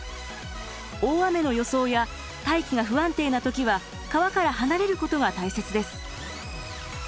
大雨の予想や大気が不安定な時は川から離れることが大切です。